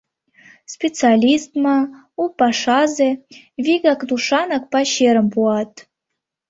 Специалист ма, у пашазе — вигак тушанак пачерым пуат...